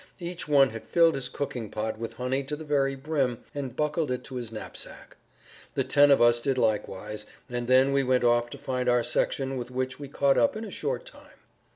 Each one had filled his cooking pot with honey to the very brim and buckled it to his knapsack. The ten of us did likewise, and then we went off to find our section with which we caught up in a short time.